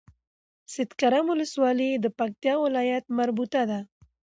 سيدکرم ولسوالۍ د پکتيا ولايت مربوطه ده